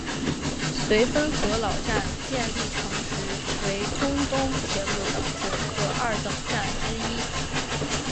绥芬河老站建立成时为中东铁路的九个二等站之一。